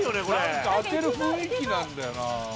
なんか当てる雰囲気なんだよな。